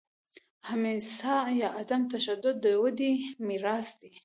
اهیمسا یا عدم تشدد د دوی میراث دی.